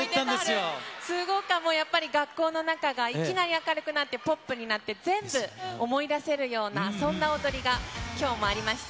すごく、やっぱり学校の中がいきなり明るくなって、ポップになって、全部思い出せるような、そんな踊りがきょうもありました。